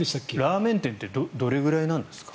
ラーメン店ってどれくらいなんですか。